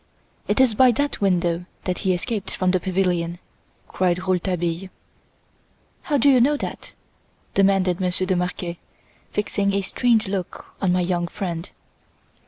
"It is by that window that he escaped from the pavilion!" cried Rouletabille. "How do you know that?" demanded Monsieur de Marquet, fixing a strange look on my young friend.